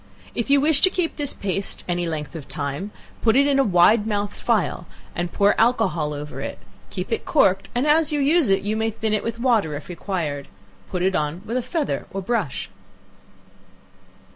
If you wish to keep this paste any length of time, put it in a wide mouthed phial, and pour alcohol over it; keep it corked, and as you use it, you may thin it with water if required; put it on with a feather or brush.